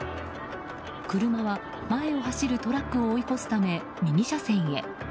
車は、前を走るトラックを追い越すため右車線へ。